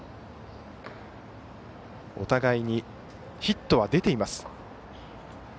お互いにヒットは出ています。